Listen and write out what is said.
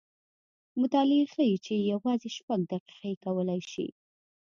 مطالعې ښیې چې یوازې شپږ دقیقې کولی شي